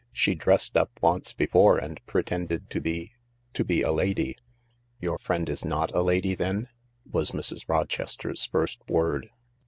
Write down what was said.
She dressed up once before and pretended to be— to be a lady." " Your friend is not a lady then ?" was Mrs. Rochester's first word.